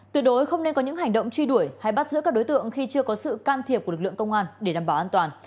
tuyệt đối không nên có những hành động truy đuổi hay bắt giữ các đối tượng khi chưa có sự can thiệp của lực lượng công an để đảm bảo an toàn